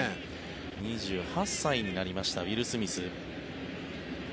２８歳になりましたウィル・スミス。